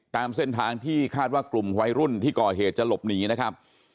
ตามเส้นทางที่คาดว่ากลุ่มวัยรุ่นที่ก่อเหตุจะหลบหนีนะครับ